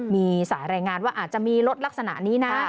มีสายรายงานว่าอาจจะมีรถลักษณะนี้นะ